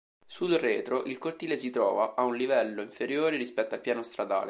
Sul retro, il cortile si trova a un livello inferiore rispetto al piano stradale.